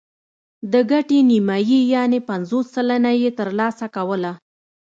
د ګټې نیمايي یعنې پنځوس سلنه یې ترلاسه کوله.